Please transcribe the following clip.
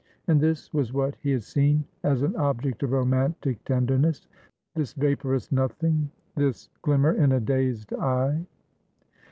And this was what he had seen as an object of romantic tendernessthis vaporous nothing, this glimmer in a dazed eye!